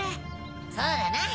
そうだな。